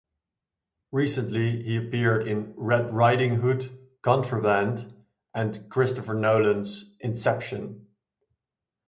Recently he appeared in "Red Riding Hood", "Contraband" and Christopher Nolan's "Inception".